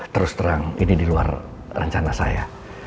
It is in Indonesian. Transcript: terus terang ini di luar rencana saya